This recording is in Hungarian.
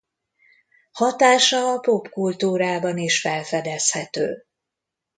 Hatása a popkultúrában is felfedezhető.